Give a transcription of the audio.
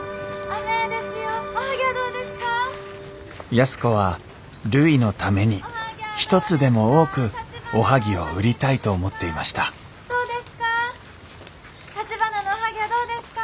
安子はるいのために一つでも多くおはぎを売りたいと思っていましたどうですか？